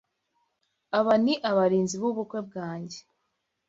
Aba ni abarinzi b'ubukwe bwanjye